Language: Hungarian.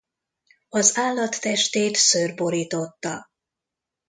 Az állat testét szőr borította.